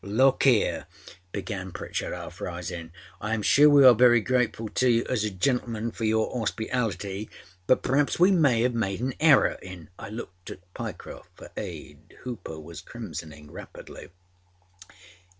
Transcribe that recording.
â âLook here,â began Pritchard, half rising. âIâm sure weâre very grateful to you as a gentleman for your âorspitality, but perâaps we may âave made an error inââ I looked at Pyecroft for aid, Hooper was crimsoning rapidly.